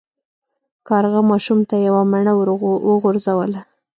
کارغه ماشوم ته یوه مڼه وغورځوله.